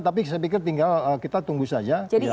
tapi saya pikir tinggal kita tunggu saja